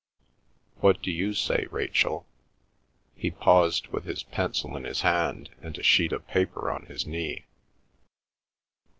What do you say, Rachel?" He paused with his pencil in his hand and a sheet of paper on his knee.